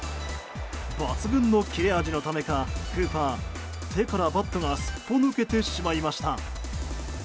抜群の切れ味のためか、クーパー手からバットがすっぽ抜けてしまいました。